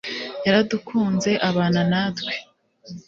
yaradukunze abana natwe